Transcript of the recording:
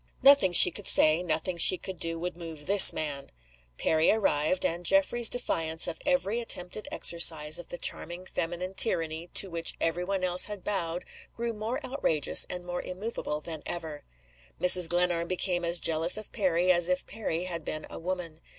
Nothing she could say, nothing she could do, would move this man. Perry arrived; and Geoffrey's defiance of every attempted exercise of the charming feminine tyranny, to which every one else had bowed, grew more outrageous and more immovable than ever. Mrs. Glenarm became as jealous of Perry as if Perry had been a woman.